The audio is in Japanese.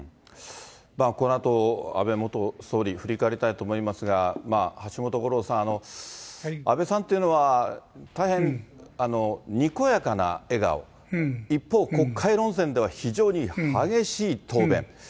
このあと安倍元総理、振り返りたいと思いますが、橋本五郎さん、安倍さんっていうのは、大変にこやかな笑顔、一方、国会論戦では非常に激しい答弁。